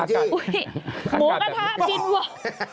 หมูกระทะกินว่ะ